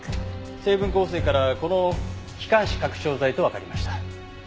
成分構成からこの気管支拡張剤とわかりました。